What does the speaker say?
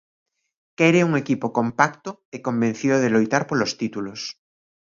Quere un equipo compacto e convencido de loitar polos títulos.